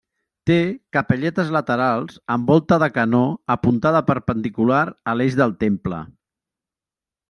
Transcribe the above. Té capelletes laterals amb volta de canó apuntada perpendicular a l'eix del temple.